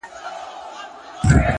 علم د انسان فکر اصلاح کوي!.